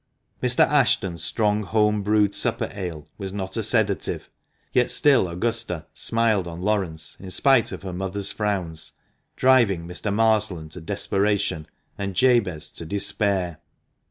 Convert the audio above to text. Mr. Ashton's strong home brewed supper ale was not a sedative, yet still Augusta smiled on Laurence, in spite of her mother's frowns, driving Mr. Marsland to desperation, and Jabez to despair.